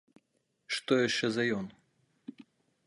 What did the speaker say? Што яшчэ за ён?